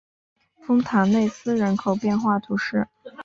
丰塔内斯人口变化图示